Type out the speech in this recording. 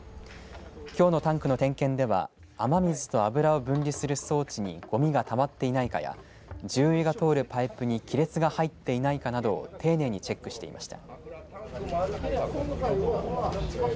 きょうのタンクの点検では雨水と油を分離する装置にごみがたまっていないかや重油が通るパイプに亀裂が入っていないかなどを丁寧にチェックしていました。